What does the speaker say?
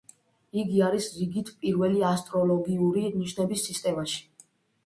იგი არის რიგით პირველი ასტროლოგიური ნიშნების სისტემაში.